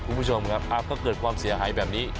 คุณผู้ชมครับก็เกิดความเสียหายแบบนี้